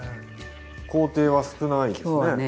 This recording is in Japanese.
工程は少ないですね。